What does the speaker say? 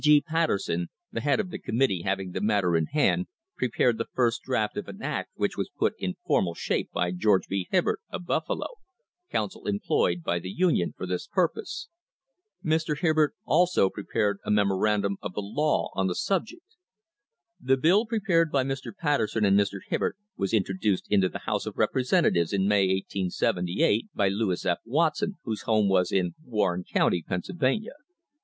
G. Patter son, the head of the committee having the matter in hand, pre pared the first draft of an act which was put in formal shap< by George B. Hibbard, of Buffalo, counsel employed by thi Union for this purpose. Mr. Hibbard also prepared a memo THE CRISIS OF 1878 randum of the law on the subject. The bill prepared by Mr. Patterson and Mr. Hibbard was introduced into the House of Representatives in May, 1878, by Lewis F. Watson, whose home was in Warren County, Pennsylvania.